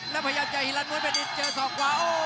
แล้วพยายามจะหิลันมั้ยแบนอิทเจอสอกขวาโอ้โห